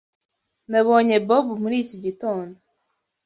Nabonye Bob muri iki gitondo.